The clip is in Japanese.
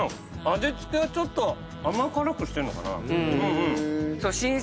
味付けをちょっと甘辛くしてるのかな。